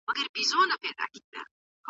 پروردګار خامخا خپل بنده ګان بخښي.